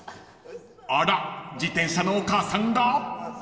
［あら自転車のお母さんが］